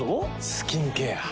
スキンケア。